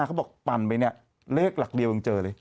เขาบอกปั่นไปเนี่ยเลขหลักเดียวยังเจอเลย